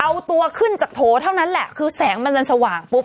เอาตัวขึ้นจากโถเท่านั้นแหละคือแสงมันจะสว่างปุ๊บ